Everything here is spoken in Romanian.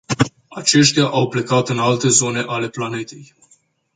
Aceștia au plecat în alte zone ale planetei.